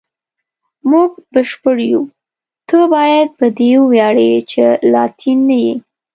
موږ بشپړ یو، ته باید په دې وویاړې چې لاتین نه یې.